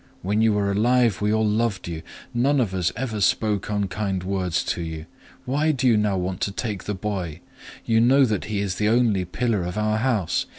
When you were alive we all loved you. None of us ever spoke unkind words to you. Why do you now want to take the boy? You know that he is the only pillar of our house.